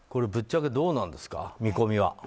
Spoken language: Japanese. ぶっちゃけ、どうなんですか見込みは？